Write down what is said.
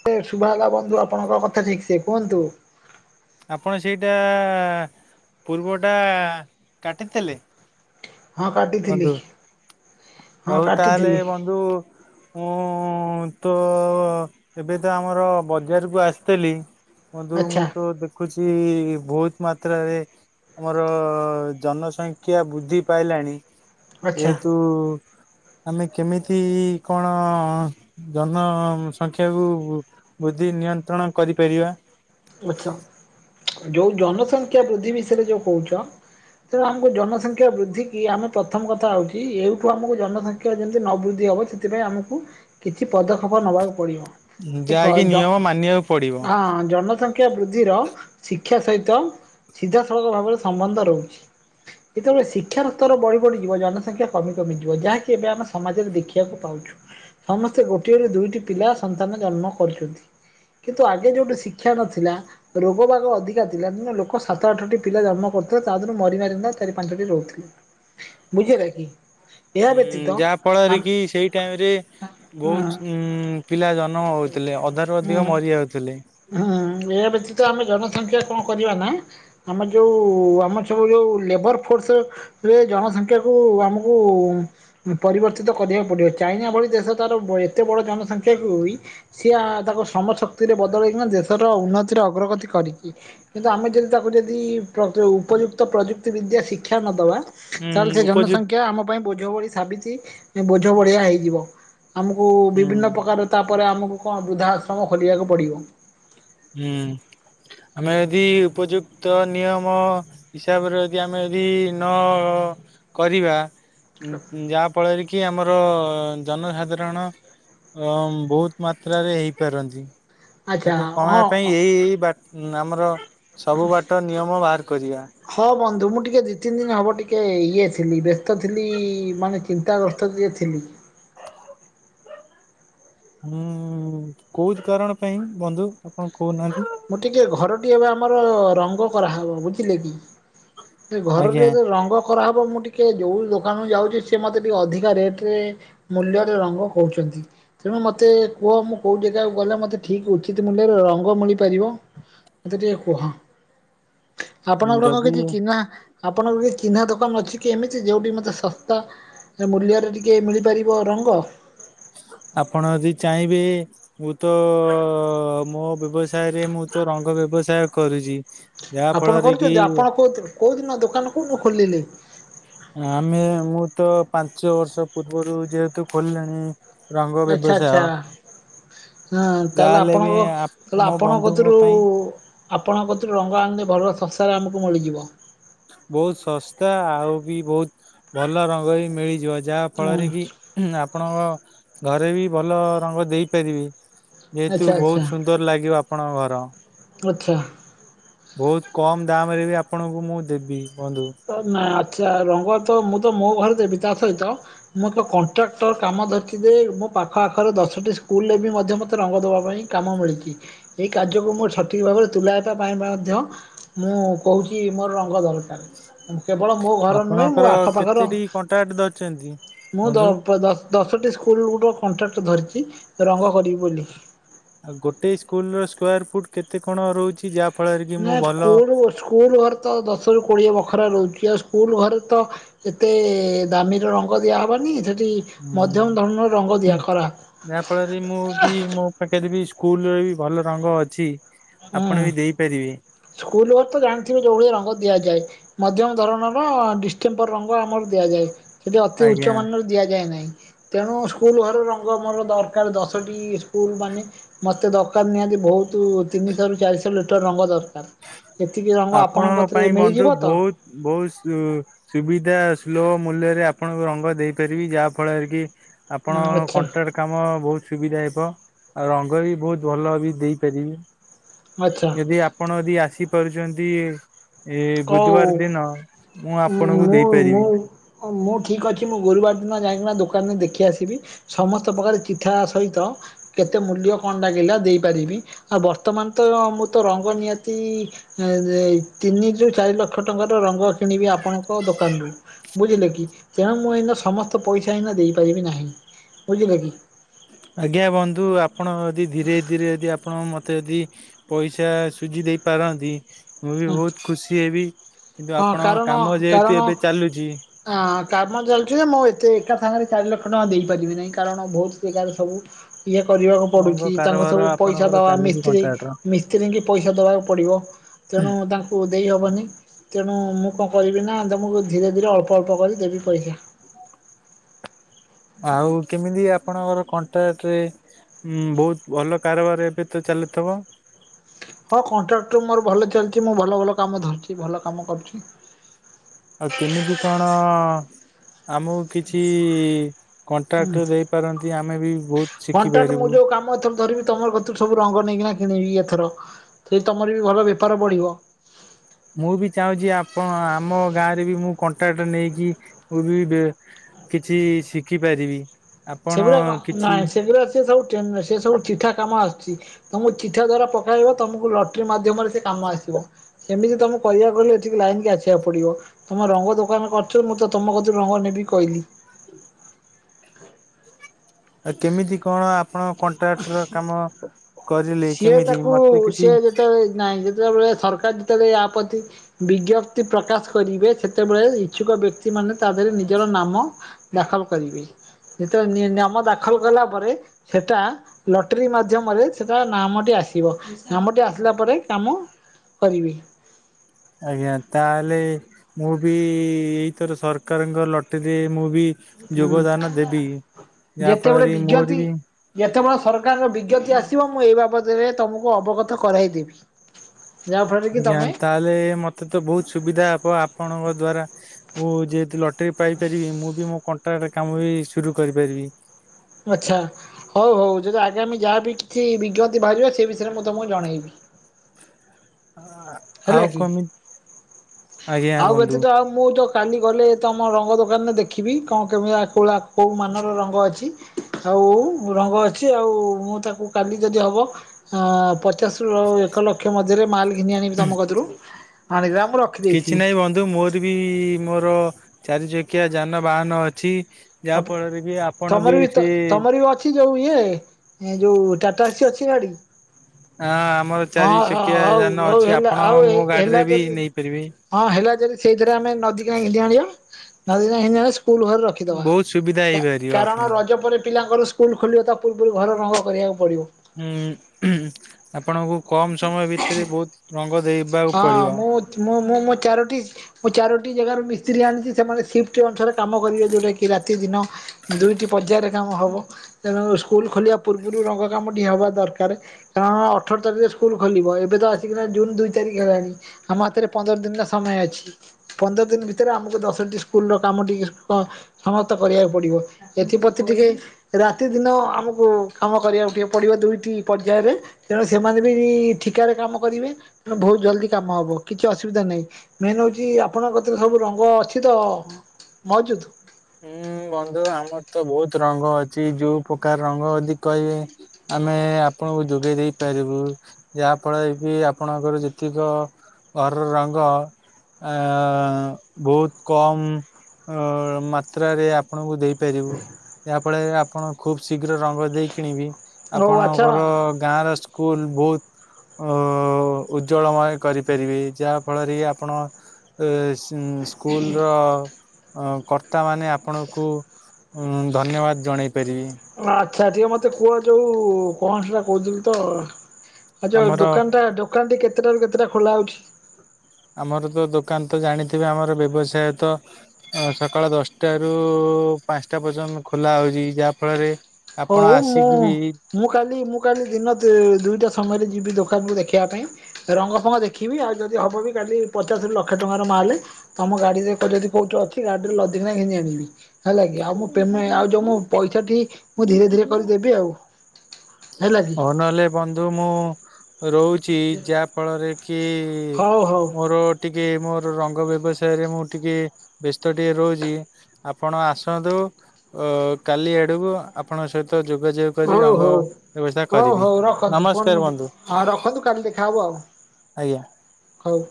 [unintelligible] ସୁଭାଗଲା ବନ୍ଧୁ ଆପଣଙ୍କ କଥା ଠିକ୍ସେ କୁହନ୍ତୁ। ଆପଣ ସେଇଟା ପୂର୍ବଟା କାଟିଥେଲେ? ହଁ, କାଟିଥିଲି। ହଁ ହଉ ତାହେଲେ କାଟିଥିଲି ବନ୍ଧୁ ମୁଁ ତ ଏବେ ତ ଆମର ବଜାରକୁ ଆସିଥେଲି ବନ୍ଧୁ ଆଚ୍ଛା ମୁଁ ତ ଦେଖୁଚି ବହୁତ୍ ମାତ୍ରାରେ ଆମର ଜନସଂଖ୍ୟା ବୃଦ୍ଧି ପାଇଲାଣି [unintelligible] [inaudible] ଆମେ କେମିତି କଣ ଜନସଂଖ୍ୟାକୁ ଵୃଦ୍ଧି ନିୟନ୍ତ୍ରଣ କରିପାରିବା। ଆଚ୍ଛା, ଯୋଉ ଜନସଂଖ୍ୟା ବୃଦ୍ଧି ବିଷୟରେ ଯୋଉ କହୁଚ ତେଣୁ ଆମୁକୁ ଜନସଂଖ୍ୟା ବୃଦ୍ଧି କି ଆମେ ପ୍ରଥମ କଥା ହଉଚି ଏଇଠୁ ଆମୁକୁ ଜନସଂଖ୍ୟା ଯେମ୍ତି ନ ବୃଦ୍ଧି ହବ [unintelligible] ସେଥିପାଇଁ ଆମକୁ କିଛି ପଦକ୍ଷପ ନବାକୁ ପଡିବ। ଦେଖ ଯାହାକି ଜ ନିୟମ ମାନିବାକୁ ପଡିବ। ହଁ ଜନ ଶିକ୍ଷା ବୃଦ୍ଧିର ଶିକ୍ଷା ସହିତ ସିଧାସଳଖ ଭାବରେ ସମ୍ବନ୍ଧ ରହୁଚି। ଯେତବେଳେ ଶିକ୍ଷାର ସ୍ତର ବଢି ବଢିଯିବ ଜନସଂଖ୍ୟା କମି କମିଯିବ ଯାହାକି ଏବେ ଆମ ସମାଜରେ ଦେଖିଆକୁ ପାଉଛୁ। ସମସ୍ତେ ଗୋଟିଏ ରୁ ଦୁଇଟି ପିଲା ସନ୍ତାନ ଜନ୍ମ କରୁଚନ୍ତି। କିନ୍ତୁ ଆଗେ ଯୋଉଠି ଶିକ୍ଷା ନଥିଲା ରୋଗ ବାଗ ଅଧିକା ଥିଲା ଲୋକ ସାତ ଆଠଟି ପିଲା ଜନ୍ମ କରୁଥିଲେ ତା ଦେହରୁ ମରି ମାରିକା ଚାରି ପାଞ୍ଚଟି ରହୁଥିଲେ। ବୁଝିଲେ କି? ଏହା ଉଁ ବ୍ୟତୀତ ଯା ଆମ ଫଳରେ କି ସେଇ ଟାଇମ୍ ରେ ହଁ ବହୁତ୍ ଉଁ ପିଲା ଜନମ ହଉଥିଲେ ଅଧାରୁ ଅଧିକ ହଁ। ମରିଯାଉଥିଲେ। ହୁଁ ଏହା ବ୍ୟତୀତ ଆମେ ଜନସଂଖ୍ୟା କଁ କରିବା ନା ଆମେ ଯୋଉ ଆମର ସବୁ ଯୋଉ ଲେବର ଫୋର୍ସ ରେ ଜନସଂଖ୍ୟାକୁ ଆମକୁ ପରିବର୍ତ୍ତିତ କରିବାକୁ ପଡିବ ଚାଇନା ଭଳି ଦେଶ ତାର ଏତେ ବଡ ଜନସଂଖ୍ୟାକୁ ଇ ସିଏ ଆ ତାକୁ ଶ୍ରମ ଶକ୍ତିରେ ବଦଳେଇକିନା ଦେଶର ଉନ୍ନତିରେ ଅଗ୍ରଗତି କରିଚି। କିନ୍ତୁ ଆମେ ଯଦି ତାକୁ ଯଦି ପ୍ର ଉପଯୁକ୍ତ ପ୍ରଯୁକ୍ତି ବିଦ୍ୟା ଶିକ୍ଷା ନ ଦବା ତାହେଲେ ହୁଁ ସେ ଉପଯୁକ୍ତ ଜନସଂଖ୍ୟା ଆମ ପାଇଁ ବୋଝ ବଳି ସାବିଚି ବୋଝ ବଳିିଆ ହେଇଯିବ। ଆମକୁ ହୁଁ ବିଭିନ୍ନ ପ୍ରକାର ତାପରେ ଆମକୁ କଣ ବୃଦ୍ଧା ଆଶ୍ରମ ଖୋଲିଆକୁ ପଡିବ। ହୁଁ ଆମେ ଯଦି ଉପଯୁକ୍ତ ନିୟମ ହିସାବରେ ଯଦି ଆମେ ଯଦି ନ କରିବା ଯା ଫଳରେ କିି ଆମର ଜନସାଧାରଣ ଅଁ ବହୁତ ମାତ୍ରାରେ ହେଇପାରନ୍ତି। ଆଚ୍ଛା ତାକୁ ହଁ କମେଇବା ପାଇଁ ଅ। ଏଇ ଏଇ ବାଟ୍ ଆମର ସବୁ ବାଟ ନିୟମ ବାହାର କରିବା। ହଁ ବନ୍ଧୁ ମୁଁ ଟିକେ ଦି ତିନି୍ ଦିନ୍ ହେବ ଟିକେ ଇଏ ଥିଲି ବ୍ୟସ୍ତ ଥିଲି ମାନେ ଚିନ୍ତାଗ୍ରସ୍ତ ଟିକେ ଥିଲି। ହୁଁ କୋଉଥି କାରଣ ପାଇଁ ବନ୍ଧୁ ଆପଣ କହୁନାହାନ୍ତି? ମୁଁ ଟିକେ ଘରଟି ଏବେ ଆମର ରଙ୍ଗ କରାହବ ବୁଝିଲେ କି? ସେ ଘର ଆଜ୍ଞା ଟିକେ ରଙ୍ଗ କରାହବ ମୁଁ ଟିକେ ଯୋଉ ଦୋକାନକୁ ଯାଉଚି ସିଏ ମତେ ଟିକେ ଅଧିକା ରେଟ୍ ରେ ମୂଲ୍ୟରେ ରଙ୍ଗ ହଉଚନ୍ତି। ତେଣୁ ମତେ କୁଅ ମୁଁ କୋଉ ଯେଗାକୁ ଗଲେ ମୋତେ ଠିକ୍ ଉଚିତ୍ ମୂଲ୍ୟରେ ରଙ୍ଗ ମିଳି ପାରିବ ମତେ ଟିକେ କୁହ ଆପଣଙ୍କର କଣ ଯଦି କିଛି ଚିହ୍ନା ଆପଣଙ୍କର କି ଚିହ୍ନା ଦୋକାନ ଅଛି କି ଏମିତି ଯୋଉଠି ମତେ ଶସ୍ତା ମୂଲ୍ୟରେ ଟିକେ ମିଳିପାରିବ ରଙ୍ଗ? ଆପଣ ଯଦି ଚାଁଇବେ ମୁଁ ତ ମୋ ବ୍ୟବସାୟ ରେ ମୁଁ ତ ରଙ୍ଗ ବ୍ୟବସାୟ କରୁଚି ଆପଣ କରୁଚନ୍ତି ଆପଣ କୋଉ କୋଉଦିନ ଦୋକାନ କୋଉଦିନ ଖୋଲିଲେ? ଆମେ ମୁଁ ତ ପାଞ୍ଚ ବର୍ଷ ପୂର୍ବରୁ ଯେହେତୁ ଖୋଲିଲେଣି ରଙ୍ଗ ଆଚ୍ଛା ବେବସାୟ ଆଚ୍ଛା ହଁ ତାହେଲେ ବି ଆପଣଙ୍କ ତାହଲେ ମୋ ଆପଣଙ୍କ ବନ୍ଧୁଙ୍କ କଥିରୁ ପାଇଁ ଆପଣଙ୍କ କତିରୁ ରଙ୍ଗ ଆଣିଲେ ଭଲ ଶସାରେ ଆମକୁ ମିଳିଯିବ। ବହୁତ୍ ଶସ୍ତା ଆଉ ବି ବହୁତ୍ ଭଲ ରଙ୍ଗ ବି ମିଳିଯିବ ଯାହା ଫଳରେ କି ଉଁ ଆପଣଙ୍କ ଘରେ ବି ଭଲ ରଙ୍ଗ ଦେଇପାରିବେ ଆଚ୍ଛା ଯେହେତୁ ଆଚ୍ଛା ବହୁତ୍ ସୁ ନ୍ଦର ଲାଗିବ ଆପଣଙ୍କ ଘର। ଆଚ୍ଛା। ବହୁତୁ କମ୍ ଦାମ ରେ ବି ଆପଣଙ୍କୁ ମୁଁ ଦେବି ବନ୍ଧୁ। ତ ନାଇଁ ଆଚ୍ଛା ରଙ୍ଗ ତ ମୁଁ ତ ମୋ ଘରେ ଦେବି ତା ସହିତ ମୁଁ ତ କଣ୍ଟ୍ରାକ୍ଟର କାମ ଧରିଥିବି ମୋ ପାଖ ଆଖରେ ଦଶଟି ସ୍କୁଲୁରେ ବି ମଧ୍ୟ ମତେ ରଙ୍ଗ ଦେବା ପାଇଁ କାମ ମିଳିଚି ଏହି କାର୍ଯ୍ୟକୁ ମୁଁ ସଠିକ୍ ଭାବରେ ତୁଲାଇବା ପାଇଁ ମଧ୍ୟ ମୁଁ କହୁଚି ମୋର ରଙ୍ଗ ଦରକାର। କେବଳ ମୋ ଘର ନୁହେଁ ମୋ ଆଖ ପାଖର ଚାନ୍ଦୀ [unintelligible] ମୁଁ ଦ ଦଶଟି ସ୍କୁଲ ଗୋଟି କଣ୍ଟ୍ରାକ୍ଟ ଧରିଚି। ରଙ୍ଗ କରିଵି ବୋଲି। ଆଉ ଗୋଟେ ସ୍କୁଲୁ ର ସ୍କ୍ୟାର ଫୁଟୁ କେତେ କଣ ରହୁଚି ଯାହା ଫଳରେ କି ମୁଁ ନା ଭଲ ସ୍କୁଲୁ ସ୍କୁଲୁ ଘରେ ତ ଦଶରୁ କୋଡ଼ିଏ ବଖରା ରହୁଚି ଆଉ ସ୍କୁଲ ଘରେ ତ ଏତେ ଦାମୀର ରଙ୍ଗ ଦିଆ ହବନି ସେଠି ମଧ୍ୟମ ହୁଁ ଧରଣର ରଙ୍ଗ ଦିଆ ଖରା। ଯାହା ଫଳରେ ମୁଁ ବି ମୋ ପାଖରେ ବି ସ୍କୁଲୁରେ ବି ଭଲ ରଙ୍ଗ ଅଛି। ଆପଣ ବି ଦେଇପାରିବେ। ସ୍କୁଲୁ ଘରେ ତ ଜାଣିଥିବୁ ଯୋଉଭଳିଆ ରଙ୍ଗ ଦିଆଯାଏ। ମଧ୍ୟମ ଧରଣର ଡିମ୍ପର ରଙ୍ଗ ଆମର ଦିଆଯାଏ ସେଠି ଅତି ଉଚ୍ଚ ଆଜ୍ଞା। ମାନ ଦିଆଯାଏ ନାହିଁ ତେଣୁ ସ୍କୁଲୁ ଘର ରଙ୍ଗ ମୋର ଦରକାର ଦଶଟି ସ୍କୁଲ ମାନେ ମତେ ଦରକାର ନିହାତି ବହୁତୁ ତୁ ତିନିଶହ ର ଚାରିଶହ ଲିଟର ରଙ୍ଗ ଦରକାର ଏତିକି ରଙ୍ଗ ଆପଣଙ୍କ ଥିରେ ମିଳିଯିବ ତ? ବହୁ ସ୍ଲୋ ସୁବିଧା ସୁଲଭ ମୂଲ୍ୟରେ ଆପଣଙ୍କୁ ରଙ୍ଗ ଦେଇପାରିବି ଯାହା ଫଳରେ କି ଆପଣ ଆଚ୍ଛା କଣ୍ଟ୍ରାକ୍ଟ କାମ ବହୁତୁ ସୁବିଧା ହେବ ଆଉ ରଙ୍ଗ ବି ବହୁତୁ ଭଲ ବି ଦେଇପାରିବି। ଆଚ୍ଛା। ଯଦି ଆପଣ ଯଦି ଆସି ପାରୁଚନ୍ତି ଏ କଉ ବୁଧୁବାର ଦିନ ମୁଁ ଆପଣଙ୍କୁ ଦେଇପାରିବି। ହଁ ମୁଁ ଠିକ୍ ଅଛି ମୁଁ ଗୁରୁବାର ଦିନ ଯାଇକିନା ଦୋକାନରେ ଦେଖି ଆସିବି। ସମସ୍ତ ପ୍ରକାର ଚିଠା ସହିତ କେତେ ମୂଲ୍ୟ କଣ ଲାଗିଲା ଦେଇପାରିବି ଆଉ ବର୍ତ୍ତମାନ ତ ମୁଁ ତ ରଙ୍ଗ ନିହାତି ଏ ତିନି ରୁ ଚାରି ଲକ୍ଷ ଟଙ୍କାର ରଙ୍ଗ କିଣିବି ଆପଣଙ୍କ ଦୋକାନରୁୁ। ବୁଝିଲେ କି ତେଣୁ ମୁଁ ଏଇନା ସମସ୍ତ ପଇସା ଏଇନା ଦେଇ ପାରିବି ନାହିଁ ବୁଝିଲେ କି? ଆଜ୍ଞା ବନ୍ଧୁ ଆପଣ ଯଦି ଧୀରେ ଧୀରେ ଯଦି ଆପଣ ମୋତେ ଯଦି ପଇସା ସୁଝି ଦେଇ ପାରନ୍ତି ମୁଁ ବି ବହୁତୁ ଖୁସି ହେବି କିନ୍ତୁ ହଁ ଆପଣ କାମ ଯେହେତୁ ଏବେ ଚାଲିଚି ହଁ କାମ ଚାଲିଚି ନା ମୁଁ ଏତେ ଏକା ସାଙ୍ଗରେ ଚାରି ଲକ୍ଷ ଟଙ୍କା ଦେଇପାରିବି ନାହିଁ କାରଣ ବହୁତୁ ଜାଗାରେ ସବୁ ଇଏ କରିବାକୁ ରଙ୍ଗ ପଡୁଚି ତାଙ୍କୁ କାରବାର ସବୁ ପଇସା ଆପଣଙ୍କର ଦବା ଚାଲିଛି ମିସ୍ତ୍ରୀ କଣ୍ଟ୍ରାକ୍ଟର। ମିସ୍ତ୍ରୀଙ୍କି ପଇସା ଦବାକୁ ପଡ଼ିବ ତେଣୁ ତାଙ୍କ ଙ୍କୁ ଦେଇହବନି ତେଣୁ ମୁଁ କଣ କରିବି ନା ତମକୁ ଧୀରେ ଧୀରେ ଅଳ୍ପ ଅଳ୍ପ କରି ଦେବି ପଇସା। ଆଉ କେମିତି ଆପଣଙ୍କର କଣ୍ଟ୍ରାକ୍ଟରେ ବହୁତୁ ଭଲ କାରବାର ଏବେ ତ ଚାଲୁଥିବ? ହଁ କଣ୍ଟ୍ରାକ୍ଟ ର ମୋର ଭଲ ଚାଲିଚି ମୁଁ ଭଲ ଭଲ କାମ ଧରିଚି ଭଲ କାମ କରୁଚି। ଆଉ କେମିତି କଣ ଆମ କିଛି କଣ୍ଟ୍ରାକ୍ଟ ଦେଇପାରନ୍ତି ଆମେ ବି ବହୁତୁ ଶିଖିପାରିବୁ। ଧରିବିି ତମର କତୁ ସବୁ ରଙ୍ଗ ନେଇକିନା କିଣିବି ଏଥର ସେ ତମର ବି ଭଲ ବେପାର ବଢିବ। ମୁଁ ବି ଚାହୁଁଚି ଆପଣ ଆମ ଗାଁ ରେ ବି ମୁଁ କଣ୍ଟ୍ରାକ୍ଟ ନେଇକି ମୁ ବି କିଛି ଶିଖିପାରିବି। ଆପଣ ସେଗୁଡା କଣ କିଛି ନାଇଁ ସେଗୁଡ଼ା ସେ ସବୁ ସେ ସବୁ ଚିଠା କାମ ଆସୁଛି। ତମକୁ ଚିଠା ଦଵାରା ପକେଇବ ତମକୁ ଲଟ୍ରି ମାଧ୍ୟମରେ ସେ କାମ ଆସିବ। ଏମିତି ତମେ କରିବାକୁ ଗଲେ ଏଠିକି ତମକୁ ଲାଇନ୍ କୁ ଆସିବାକୁ ପଡିବ। ତମେ ରଙ୍ଗ ଦୋକାନରେ କରିଛ ମୁଁ ତ ତମ କତିରୁ ରଙ୍ଗ ନେବି କହିଲି। ଆଉ କେମିତି କଣ ଆ ଆପଣ କଣ୍ଟ୍ରାକ୍ଟର କାମ କରିଲେ କେମିତି ମତେ କିଛି ନହିଁ ଯେତେବେଳେ ସରକାର ଯେତେବେଳେ ଆପତ୍ତି ବିଜ୍ଞପ୍ତି ପ୍ରକାଶ କରିବେ ସେତେବେଳେ ଇଚ୍ଛୁକ ବ୍ୟକ୍ତି ମାନେ ତା ଦେହରେ ନିଜର ନାମ ଦାଖଲ କରିବେ। ଯେତେବେଳେ ନିମ ଦାଖଲ କଲା ପରେ ସେଟା ଲଟେରି ମାଧ୍ୟମରେ ସେଟା ନାମଟି ଆସିବ, ନାମଟି ଆସିଲା ପରେ କାମ କରିବି। ଆଜ୍ଞା ତାହେଲେ ମୁଁ ବି ଏଇଥର ସରକାରଙ୍କ ଲଟେରୀରେ ମୁଁ ବି ଯୋଗଦାନ ଦେବି। ଯାହା ଯେତେବେଳେ ଫଳରେ ବିଜ୍ଞପ୍ତି ମୋର ବି ଯେତେବେଳେ ସରକାରର ବିଜ୍ଞପତି ଆସିବ ମୁଁ ଏଇ ବାବଦରେ ତମକୁ ଅବଗତ କରାଇ ଦେବି। ଆଜ୍ଞା ତାହେଲେ, ମତେ ତ ବୋହୁତ୍ ସୁବିଧା ହବ ଆପଣଙ୍କ ଦ୍ଵାରା? ମୁଁ ଯେହେତୁ ଲଟେରୀ ପାଇପାରିବି ମୁଁ ବି ମୋ କଣ୍ଟ୍ରାଟ କାମ ବି ସୁରୁ କରିପାରିବି। ଆଚ୍ଛା। ହଉ ହଉ ଯଦି ଆଗାମୀ ଯାହା ବିି କିଛି ବିଜ୍ଞପ୍ତି ବାହାରିବା ସେ ବିଷୟରେ ମୁଁ ତମକୁ ଜଣେଇବି। ହେଲା ଆଉ କି କମିତି ଆଉ ବ୍ୟତୀତ ତ ଆଉ ମୁଁ ତ କାଲି ଗଲେ ତମ ରଙ୍ଗ ଦୋକାନରେ ଦେଖିବି କଣ କେମିତି ଆ କଉଳା କେଉଁ ମାନର ରଙ୍ଗ ଅଛି। ଆଉ ରଙ୍ଗ ଅଛି ଆଉ ମୁଁ ତାକୁ କାଲି ଯଦି ହବ ପଚ ପଚାଶରୁ ଏକ ଲକ୍ଷ ମଧ୍ୟରେ ମାଲ୍ ଘିନି ଆଣିବି ତୁମ କତରୁ ଆଣିଦେ ମୁଁ ରଖିଦେଇଥିବି। ନାଇଁ ବନ୍ଧୁ ମୋର ବି ମୋର ଚାରି ଚକିଆ ଯାନବାହାନ ଅଛି। ଯାହା ଆପ ଫଳରେ କି ଆପଣ ତମର ବି ସେ ତମର ବି ଅଛି ଯୋଉ ଇଏ ଏ ଯୋଉ ଟାଟାସି ଅଛି ଗାଡି। ହଁ ଆମର ଚାରି ହଁ ହଁ ଚକିଆ ହଉ ଯାନ ହଉ ଅଛି ହେଲା ଆପଣ ଆଉ ମୋ ହେଲା ଗାଡିରେ ବି ଯଦି ନେଇପାରିବେ। ହଁ ହେଲା ଯଦି ସେଇଥିରେ ଆମେ ନଦୀ କାନି ଘିତି ଆଣିବା ନଦୀ କିନା ଆଣି ସ୍କୁଲ୍ ଘରେ ରଖି ରଖିଦବା ବହୁତ ସୁବିଧା ହେଇପାରିବ କାରଣ ଆପଣଙ୍କୁ। ରଜ ପରେ ପିଲାଙ୍କର ସ୍କୁଲ୍ ଖୋଲିବ ତା ପୂର୍ବରୁ ଘର ରଙ୍ଗ କରିବାକୁ ପଡ଼ିବ। ହୁଁ ଆପଣଙ୍କୁ କମ୍ ସମୟ ଭିତରେ ବୋହୁତ୍ ରଙ୍ଗ ଦେଇ ହଁ ମୁଁ ମୁଁ ମୁଁ ମୋ ଚାରୋଟି ମୁଁ ଚାରୋଟି ଜାଗାରୁ ମିସ୍ତ୍ରୀ ଆଣିଛି ସେମାନେ ସିଫ୍ଟ ଅନୁଶାରେ କାମ କରିବେ ଯୋଉଟା କି ରାତି ଦିନ। ଦୁଇଟି ପର୍ଯ୍ୟାୟରେ କାମ ହବ। ତେଣୁ ସ୍କୁଲ ଖୋଲିବା ପୂର୍ବରୁ ରଙ୍ଗ କାମଟି ହବା ଦରକାର। ତ ଅଠର ତାରିଖରେ ସ୍କୁଲ୍ ଖୋଲିବ, ଏବେ ତ ଆସିକିନା ଜୁନ୍ ଦୁଇ ତାରି ହେଲାଣି ଆମ ହାତରେ ପନ୍ଦର ଦିନର ସମୟ ଅଛି। ପନ୍ଦର ଦିନ ଭିତରେ ଆମକୁ ଦଶଟି ସ୍କୁଲ୍ ର କାମ ଟିକେ ସମସ୍ତ କରିବାକୁ ପଡିବ। ଏଥିପ୍ରତି ଟିକେ ରାତି ଦିନ ଆମକୁ କାମ କରିବାକୁ ଟିକେ ପଡିବ ଦୁଇଟି ପର୍ଯ୍ୟାୟରେ। [unintelligible] ସେମାନେ ବି ଠିକାରେ କାମ କରିବେ, ତେଣୁ ବୋହୁତ୍ ଜଲ୍ଦି କାମ ହବ କିଛି ଅସୁବିଧା ନାହିଁ। ମେନ୍ ହଉଛି ଆପଣଙ୍କ କତିରେ ସବୁ ରଙ୍ଗ ଅଛି ତ ମହଜୁଦ। ହୁଁ ବନ୍ଧୁ ଆମର ତ ବୋହୁତ୍ ରଙ୍ଗ ଅଛି ଯୋଉ ପ୍ରକାର ରଙ୍ଗ ଅଛି କହିବେ ଆମେ ଆପଣଙ୍କୁ ଯୋଗେଇ ଦେଇପାରିବୁ। ଯେ ଆପଣ ଏଜି ଆପଣଙ୍କର ଯେତିକ ଘରର ରଙ୍ଗ ଆଁ ବୋହୁତ୍ କମ୍ ଉଁ ମା ମାତ୍ରରେ ଆପଣଙ୍କୁ ଦେଇପାରିବୁ, ଆପଣ ଏଆ ଆପଣ ଖୁବ ଶୀଘ୍ର ରଙ୍ଗ ଦେଇ କିଣିବି। ହଉ ଆଚ୍ଛା ଆପଣଙ୍କର ଗାଁର ସ୍କୁଲ ବହୁତ୍ ଓ ଉଜ୍ଜଳମୟ କରିପାରିବେ ଯାହା ଫଳରେ ଆପଣ ଏ ସିଙ୍ଗ୍ ସ୍କୁଲର କରତ୍ କର୍ତ୍ତାମାନେ ଆପଣଙ୍କୁ ଉଁ ଧନ୍ୟବାଦ ଜଣେଇ ପାରିବି। ଆଚ୍ଛା ଟିକେ ମତେ କୁହ ଯୋଉ କଣ ସେଟା କହୁଛନ୍ତି ତ ଆ ଯୋଉ ଆମର ଦୋକାନଟା ଦୋକାନଟି କେତେଟାରୁ କେତେଟା ଖୋଲା ହଉଛି? ଆମର ତ ଦୋକାନ ତ ଜାଣିଥିବେ ଆମର ବ୍ୟବସାୟ ତ ଅ ସକାଳ ଦଶଟା ରୁ ପାଞ୍ଚଟା ପର୍ଯ୍ୟନ୍ତ ଖୋଲା ହଉଛି ଯାହା ଫଳରେ ହଉ ଆପଣ ମୁଁ ଆସିକି ବି ମୁଁ କାଲି ମୁଁ କାଲି ଦିନ ଦି ଦୁଇଟା ସମୟରେ ଯିବି ଦୋକାନକୁ ଦେଖିବା ପାଇଁ। ରଙ୍ଗ ଫଙ୍ଗ ଦେଖିବି ଆଉ ଯଦି ହବବି କାଲି ପଚାଶରୁ ଲକ୍ଷ ଟଙ୍କାର ମାଲେ ତମ ଗାଡି ଦେଖ ଯଦି କୋଉଠି ଅଛି ଗାଡିରେ ଲଦିକିନା ଘିନି ଆଣିବି। ହେଲା କିି ଆଉ ମୁଁ ପେମେ ଆଉ ଯୋଉ ମୁଁ ପଇସାଟି ମୁଁ ଧୀରେ ଧୀରେ କରିଦେବି ଆଉ ହେଲା କି? ହଉ ନହେଲେ ବନ୍ଧୁ ମୁଁ ରହୁଛି ଯାହା ଫଳରେ କି ହଉ ହଉ ମୋର ଟିକେ ମୋର ରଙ୍ଗ ବ୍ୟବସାୟରେ ମୁଁ ଟିକେ ବ୍ୟସ୍ତ ଟିକେ ରହୁଛି ଆପଣ ଆସ୍ ସନ୍ତୁ ଅ କାଲି ଆଡକୁ ଆପଣଙ୍କ ସହିତ ତ ଯୋଗାଯୋଗ କରି ହଉ ରଙ୍ଗ ହଉ ବ୍ୟବସାୟ କରିବି ନମସ୍କାର ବନ୍ଧୁ। ଖନ୍ତୁ କାଲି ଦେଖ୍ ଦେଖା ହବ ଆଉ। ଆଜ୍ଞା। ହଉ।